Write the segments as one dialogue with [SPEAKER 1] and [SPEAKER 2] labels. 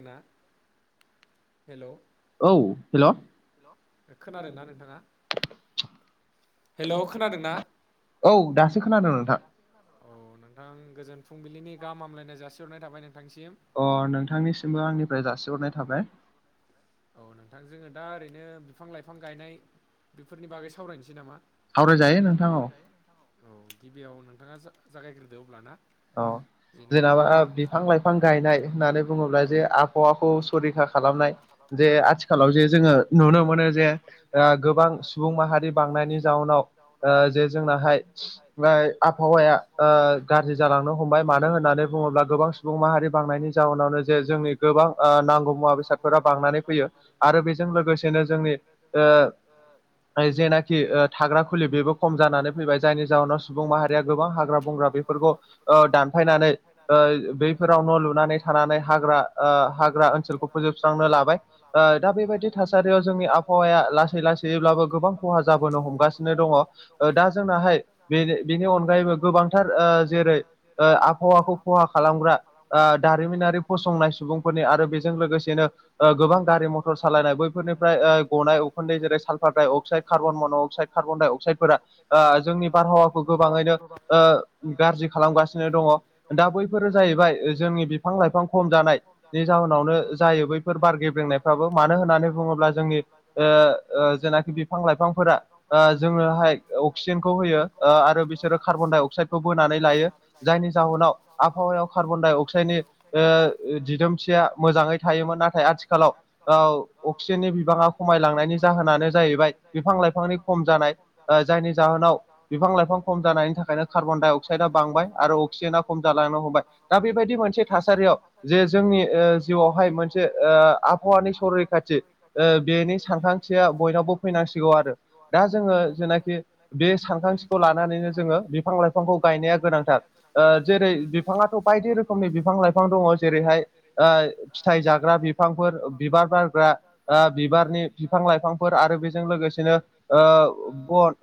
[SPEAKER 1] ना हेलौ खोनादोंना नोंथाङा?
[SPEAKER 2] औ दासो खोनादों नोंथां।
[SPEAKER 1] औ नोंथां गोजोन फुंबिलिनि गाहाम हामलायनाय जासिहरनाय थाबाय नोंथांनिसिम।
[SPEAKER 2] अ' नोंथांनिसिमबो आंनिफ्राय जासिहरनाय थाबाय।
[SPEAKER 1] औ नोंथां जोङो दा ओरैनो बिफां लाइफां गायनाय बेफोरनि बागै सावरायनोसै नामा? औ गिबियाव नोंथाङा जा-जागायग्रोदो अब्ला ना।
[SPEAKER 2] औ जेनाबा आ बिफां लाइफां गायनाय होननानै बुङोब्ला जे आबहावाखौ सरैखा खालामनाय जे आथिखालाव जे जोङो नुनो मोनो जे ओ गोबां सुबुं माहारि बांनायनि जाउनाव ओ जे जोंनाहाय फ्राय आबहावाया ओ गाद जि जालांनो हमबाय मानो होननानै बुङोब्ला गोबां सुबुं माहारि बांनायनि जाउनावनो जे जोंनि गोबां ओ नांगौ मुवा बेसाद फोरा बांनानै फैयो। आरो बेजों लोगोसेनो जोंनि ओ फ्राय जेनाखि ओ थाग्रा खुलि बेबो खम जानानै फैबाय जायनि जाउनाव सुबुं माहारिया गोबां हाग्रा बंग्रा बेफोरखौ ओ दानफायनानै ओ बैफोराव न' लुनानै थानानै हाग्रा ओ हाग्रा ओनसोलखौ फोजोबस्रांनो लाबाय ओ दा बेबायदि थासारियाव जोंनि आबहावाया लासै लासैब्लाबो गोबां खहा जाबोनो हमगासिनो दङ। ओ दा जोंनाहाय बेनि बेनि अनगायैबो गोबांथार ओ जेरै ओ आबहावाखौ खहा खालामग्रा ओ दारिमिनारि फसंनाय सुबुंफोरनि आरो बेजों लोगोस सेनो ओ गोबां गारि मथर सालायनाय बैफोरनिफ्राय ओ गनाय उखन्दै जेरै साल्फार dioxide carbon monoxide carbon डाइ अक्साइडफोरा ओ जोंनि बारहावाखौ गोबाङैनो ओ गाज्रि खालामगासिनो दङ। दा बैफोरो जाहैबाय ओ जोंनि बिफां लाइफां खम जानाय नि जाहोनावनो जायो बैफोर बार गेब्लेंनायफ्राबो मानो होननानै बुङोब्ला जोंनि ओ ओ जेनाखि बिफां लाइफांफोरा ओ जोङोहाय अक्सिजेनखौ होयो आरो बिसोरो कार्बन डाइ अक्साइदखौ बोनानै लायो। जायनि जाहोनाव आबहावायाव कार्बन डाइ अक्साइडनि ओ दिदोमसिया मोजाङै थायोमोन नाथाय आथिखालाव ओव अक्सिजेननि बिबाङा खमायलांनायनि जाहोनानो जाहैबाय बिफां लाइफांनि खम जानाय जायनि जाहोनाव बिफां लाइफां खम जानायनि थाखायनो कार्बनडाइ अक्साइडआ बांबाय आरो अक्सिजेना खम जालांनो हमबाय दा बेबायदि मोनसे थासारियाव जे जोंनि ओ जिउआवहाय मोनसे ए आबहावानि सरैखाथि ए बेनि सानखांथिया बयनावबो फैनांसिगौ आरो दा जोङो जेनाखि बे सानखांथिखौ लानानैनो जोङो बिफां लाइफांखौ गायनाया गोनांथार ओ जेरै बिफाङाथ' बायदि रोखोम रोखोमनि बिफां लाइफां दङ जेरैहाय ओ फिथाइ जाग्रा बिफांफोर बिबार बारग्रा बिबारनि बिफां लाइफांफोर आरो बेजों लोगोसेनो ओ बन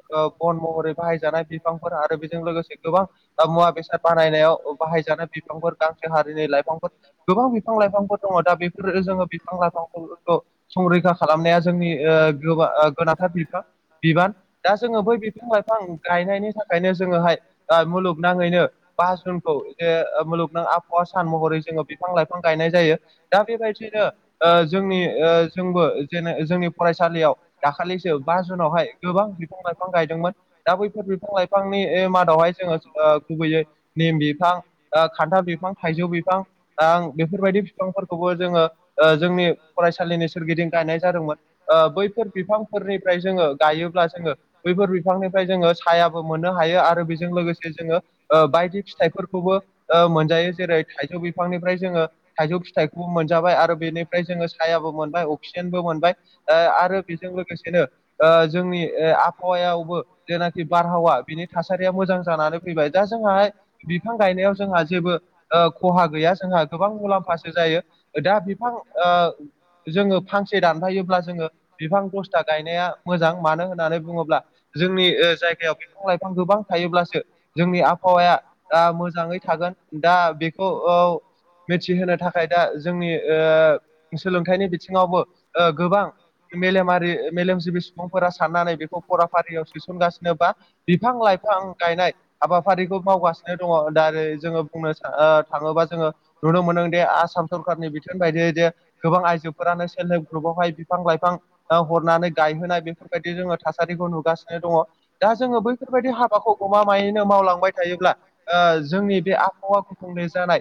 [SPEAKER 2] बन महरै बाहायजानाय बिफांफोर आरो बे जों लोगोसे गोबां मुवा बेसाद बानायनायाव बाहायजानाय बिफांफोर गांसे हारिनि लाइफांफोर गोबां बिफां लाइफांफोर दङ दा बेफोरो जोङो बिफां लाइफांफोरखौ संरैखा खालामनाया जोंनि गो गोनांथार बिफा बिबान दा जोङो बै बिफां लाइफां गायनायनि थाखायनो जोङोहाय मुलुगनाङैनो बास जुनखौ जे मुलुगनां आबहावा सान महरै जोङो बिफां लाइफां गायनाय जायो। दा बेबायदिनो ओ जोंनि ओ जोंबो जेन जोंनि फरायसालियाव दाखालिसो बा जुनावहाय गोबां बिफां लाइफां गायदोंमोन दा बैफोर बिफां लाइफांनि बे मादावहाय जोङो गुबैयै नेम बिफां खान्थाल बिफां थाइजौ बिफां आं बेफोरबायदि बिफांफोरखौबो जोङो जोंनि फरायसालिनि सोरगिदिं गायनाय जादोंमोन। ओ बैफोर बिफांफोरनिफ्राय जोङो गायोब्ला जोङो बैफोर बिफांनिफ्राय जोङो सायाबो मोननो हायो आरो बेजों लोगोसे जोङो ओ बायदि फिथाइफोरखौबो मोनजायो जेरै थाइजौ बिफांनिफ्राय जोङो थाइजौ फिथाइखौबो मोनजाबाय आरो बेनिफ्राय जों सायाबो मोनबाय अक्सिजेनबो मोनबाय ओ आरो बेजों लोगोसेनो ओ जोंनि आबहावायावबो जेनाखि बारहावा बिनि थासारिया मोजां जानानै फैबाय दा जोंहा हाय बिफां गायनायाव जोंहा ओ जेबो खहा गैया जोंहा गोबां मुलाम्फासो जायो दा बिफां ओ जोङो फांसे दानफायोब्ला जोङो बिफां बस्था गायनाया मोजां मानो होननानै बुङोब्ला जोंनि जायगायाव बिफां लाइफां गोबां थायोब्लासो जोंनि आबहावाया ओ मोजाङै थागोन दा बेखौ ओ मिथिहोनो थाखाय दा जोंनि ओ सोलोंथाइनि बिथिङावबो
[SPEAKER 1] [unintelligible]
[SPEAKER 2] फोर साननानै बेखौ फराफारियाव सोसनगासिनोबा बिफां लाइफां गायनाय हाबाफारिखौ मावगासिनो दङ दा जोङो बुंनो थाङोबा जोङो नुनो मोनदोंदि आसाम सरखारनि बिथोन बायदियै जे गोबां आइजोफोरानो सेल्फ हेल्प ग्रुपआवहाय बिफां लाइफां हरनानै गायहोनाय बेफोरबायदि जोङो थासारिखौ नुगासिनो दङ दा जोङो बै बेफोरबायदि हाबाखौ गमामायैनो मावलांबाय थायोब्ला जोंनि बे आबहावा खुंंने जानाय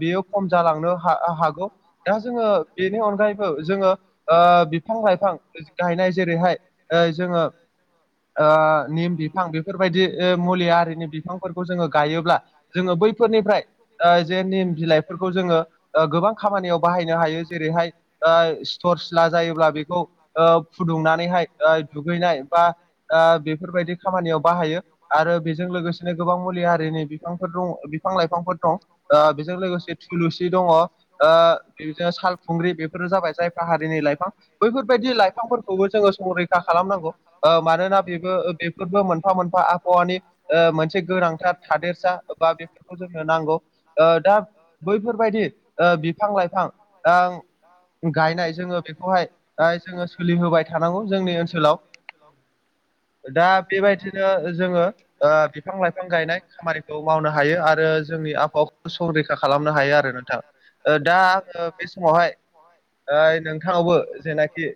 [SPEAKER 2] बेयो खम जालांनो हा हागौ दा जोङो बेनि अनगायैबो जोङो ओ बिफां लाइफां गायनाय जेरैहाय जोङो ओ निम बि बिफां बेफोरबायदि मुलि आरिनि बिफांफोरखौ जोङो गायोब्ला जोङो बैफोरनिफ्राय ओ जे निम बिलाइफोरखौ जोङो गोबां खामानियाव बाहायनो हायो। जेरैहाय ओइ स्थर सिला जायोब्ला बिखौ ओ फुदुंनानैहाय ओ दुगैनाय बा दा बेफोरबायदि खामानियाव बाहायो आरो बेजों लोगोसेनो गोबां मुलि हारिनि बिफांफोर दं बिफां लाइफांफोर दं। ओ बेजों लोगोसे थुलुसि दङ ओ बेजो सालखुंग्रि बेफोरो जाबाय जाय फ्रा हारिनि लाइफां। बैफोरबायदि लाइफांफोरखौबो जोङो संरैखा खालामनांगौ ओ मानोना बेबो बेफ फोरबो मोनफा मोनफा आबहावानि ओ मोनसे गोनांथार थादेरसा बा बेफ खौ जोंनो नांगौ ओ दा बैफोरबायदि ओ बिफां लाइफां दा गायनाय जोङो बेखौहाय जोङो सोलिहोबाय थानांगौ जोंनि ओनसोलाव। दा बेबायदिनो जोङो ओ बिफां लाइफां गायनाय खामानिखौ मावनो हायो आरो जोंनि आबहावाखौ संरैखा खालामनो हायो आरो नोंथां। ओ दा आङो बे समावहाय ओ नोंथांवावबो जेनाखि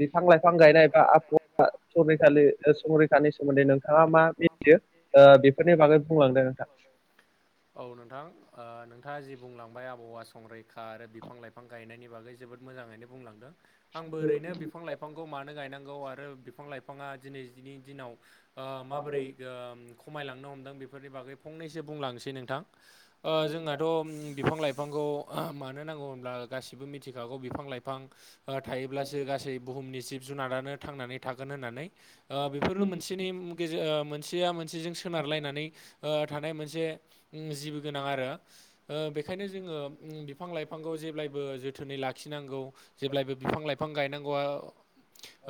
[SPEAKER 2] बिफां लाइफां गायनाय बा आबहावा संरैखालि संरै खानि सोमोन्दै नोंथाङा मा मिथियो ओ बेफोरनि बागै बुंलांदों नोंथां?
[SPEAKER 1] औ नोंथां ओ नोंथाङा जि बुंलांबाय आबहावा संरैखा आरो बिफां लाइफां गायनायनि बागै जोबोद मोजाङैनो बुंलांदों। आंबो ओरैनो बिफां लाइफांखौ मानो गायनांगौ आरो बिफां लाइफाङा दिनैजिनि दिनाव ओ माबोरै ओम खमायलांनो हमदों बेफोरनि बागै फंनैसो बुंलांसै नोंथां। ओ जोंनाथ' उम बिफां लाइफांखौ मानो नांगौ होनब्ला गासिबो मिथिखागौ बिफां लाइफां ओ थायोब्लासो गासै बुहुमनि जिब जुनारानो थांनानै थागोन होननानै ओ बेफोरो मोनसे सेनि गेजे ओ मोनसेया मोनसेजों सोनारलायनानै ओ थानाय मोनसे उम जिबि गोनां आरो। ओ बेखायनो जोङो ओम बिफां लाइफांखौ जेब्लायबो जोथोनै लाखिनांगौ। जेब्लायबो बिफां लाइफां गायनांगौआ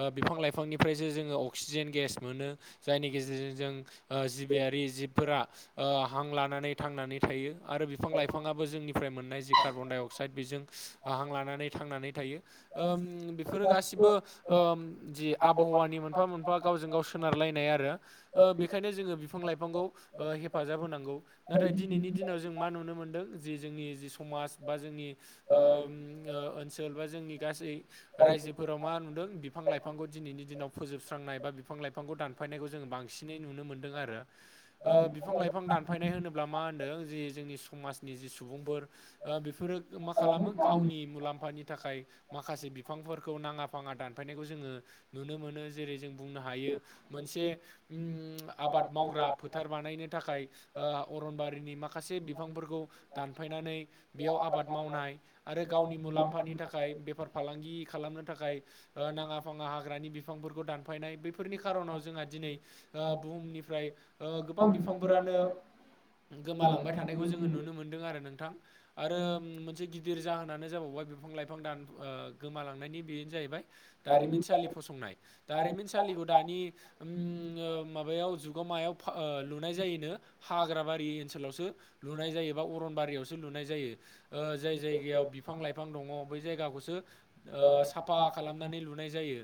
[SPEAKER 1] ओ बिफां लाइफांनिफ्रायसो जोङो अक्सिजेन गेस मोनो जायनि गेजेरजों जों ओ जिबियारि जिबफोरा ओ हां लानानै थांनानै थायो आरो बिफां लाइफाङाबो जोंनिफ्राय मोननाय जि कार्बन डाइ अक्साइड बेजों ओ हां लानानै थांनानै थायो ओम बेफोरो गासिबो ओम जि आबहावानि मोनफा मोनफा गावजों गाव सोनारलायनाय आरो। ओ बेखायनो जोङो बिफां लाइफांखौ ओ हेफाजाब होनांगौ। नाथाय दिनैनि दिनाव जों मा नुनो मोन्दों जे जोंनि जि समाज बा जोंनि ओम ओनसोल बा जोंनि गासै रायजो फोराव मा नुदों बिफां लाइफांखौ दिनैनि दिनाव फोजोबस्रांनाय बा बिफां लाइफांखौ दान फायनायखौ जों बांसिनै नुनो मोन्दों आरो ओ बिफां लाइफां दानफायनाय होनोब मा होनो जि जोंनि समाजनि जि सुबुंफोर ओ बेफोरो मा खालामो गावनि मुलाम्फानि थाखाय माखासे बिफांफोरखौ नाङा फाङा दानफायनायखौ जोङो नुनो मोनो जेरै जों बुंनो हायो मोनसे उम आबाद मावग्रा फोथार बानायनो थाखाय ओ अरनबारिनि माखासे बिफांफोरखौ दानफायनानै बेयाव आबाद मावनाय आरो गावनि मुलाम्फानि थाखाय बेफार फालांगि खालामनो थाखाय ओ नाङा फाङा हाग्रानि बिफांफोरखौ दानफायनाय बैफोरनि खार'नाव जोंहा दिनै ओ बुहुमनिफ्राय ओ गोबां बिफांफोरानो गोमालांबाय थानायखौ जोङो नुनो मोनदों आरो नोंथां। आरो मोनसे गिदिर जाहोनानो जाबावबाय बिफां लाइफां दान ओ गोमालांनायनि बेनो जाहैबाय दारिमिनसालि फसंनाय दारिमिनसालिखौ दानि उम ओ माबायाव जुगाव मायाव फा ओ लुनाय जायोनो हाग्राबा रि ओनसोलावसो लुनाय जायो बा अरनबारियावसो लुनाय जायो। ओ जाय जायगायाव बिफां लाइफां दङ बै जायगाखौसो ओ साफा खालामनानै लुनाय जायो।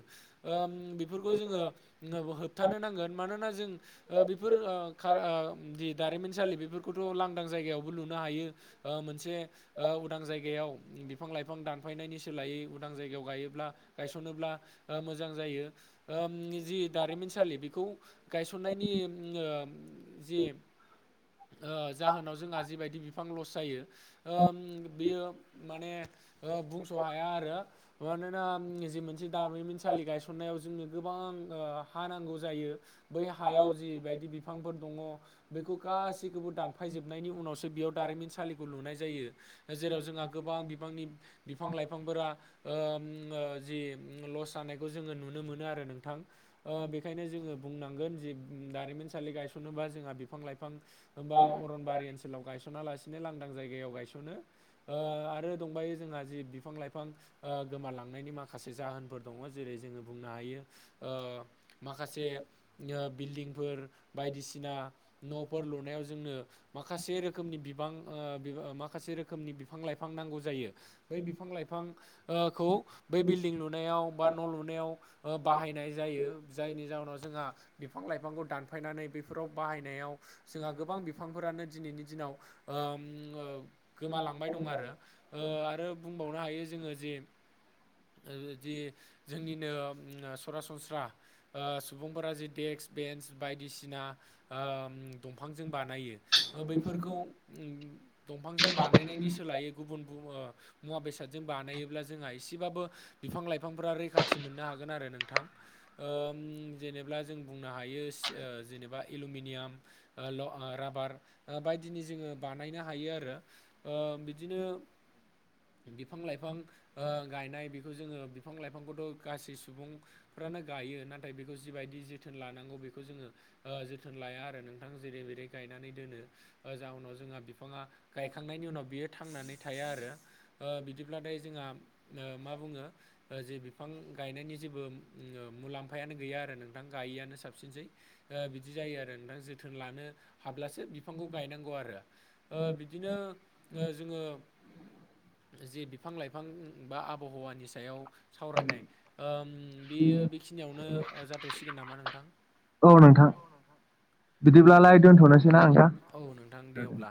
[SPEAKER 1] ओम बेफोरखौ जोङो होबथानो नांगोन मानोना जों ओ बेफोर ओ खार ओ जि दारिमिनसालि बेफोरखौथ' लांदां जायगायावबो लूनो हायो। ओ मोनसे ओ उदां जायगायाव बिफां लाइफां दानफायनायनि सोलायै उदां जायगायाव गायोब्ला गायसनोब्ला ओ मोजां जायो। ओम जि दारिमिनसालि बेखौ गायसननायनि उम ओ जि जाहोनाव जोंहा जिबायदि बिफां लस जायो ओउम बियो माने ओ बुंस' हाया आरो मानोना ओम जि मोनसे दारिमिनसालि गायसननायाव जोंनो गोबां हा नांगौ जायो। बै हायाव जिबायायदि बिफांफोर दङ बेखौ गासै खौबो दानफायजोबनायनि उनावसो बेयाव दारिमिनसालिखौ लुनाय जायो। जेराव जोंहा गोबां बिबांनि बिफां लाइफांफोरा ओम ओ जि लस जानायखौ जोङो नुनो मोनो आरो नोंथां। ओ बेखायनो जोङो बुंनांगोन जे दारिमिनसालि गायसनोबा जोंहा बिफां लाइफां हम्बा अरनबारि ओनसोलाव गायस'ना लासिनो लांदां जायगायाव गायस'नो। ओ आरो दंबायो जोंहा जि बिफां लाइफां ओ गोमालांनायनि माखासे जाहोनफोर दङ जेरै जोङो बुंनो हायो ओ माखासे ओ बिल्डिंफोर बायदिसिना न'फोर लुनायाव जों ओ माखासे रोखोमनि बिबां माखासे रोखोमनि बिफां लाइफां नांगौ जायो। बै बिफां लाइफां ओ खौ बै बिल्डिं लुनायाव बा न' लुनायाव बाहायनाय जायो। जायनि जाहोनाव जोंहा बिफां लाइफांखौ दानफायनानै बेफोराव बाहायनायाव जोंहा गोबां बिफांफोरानो दिनैनि दिनाव गोमालांबाय दं आरो। ओ आरो बुंबावनो हायो जोङो जि जि जोंनिनो उम सरासनस्रा ओ सुबुंफोरा जि देक्स बेन्स बायदिसिना ओम दंफांजों बानायो बैफोरखौ उम दंफांजों बानायनायनि सोलायै गुबुन गुओ मुवा बेसादजों बानायोब्ला जों जोंहा एसेबाबो बिफां लाइफांफोरा रैखाथि मोननो हागोन आरो नोंथां। ओम जेनेब्ला जों बुंनो हायो से जेनेबा एलुमिनियाम ओ ल' राबार बायदिनि जोङो बानायनो हायो आरो ओ बिदिनो बिफां लाइफां ओ गायनाय बेखौ जोङो बिफां लाइफांखौथ' गासै सुबुं फोरानो गायो नाथाय बेखौ जिबायदि जोथोन लानांगौ बेखौ जोङो ओ जोथोन लाया आरो नोंथां जेरै बायदि गायनानै दोनो जाउनाव जोंहा बिफाङा गायखांनायनि उनाव बियो थांनानै थाया आरो ओ बिदिब्लाथाय जोंहा मा बुङो जे बिफां गायनायनि जेबो ओ मुलाम्फायानो गैया आरो नोंथां गायैआानो साबसिनसै ओ बिदि जायो आरो नोंथां जोथोन लानो हाब्लासो बिफांखौ गायनांगौ आरो ओ बिदिनो ओ जोङो जि बिफां लाइफां बा आबहावानि सायाव सावरायनाय ओम बियो बेखिनियावनो जाथ'सिगोन नामा नोंथां?
[SPEAKER 2] औ नोंथां बिदिब्लालाय दोन्थ'नोसै ना नोंथां?
[SPEAKER 1] औ नोंथां दे अब्ला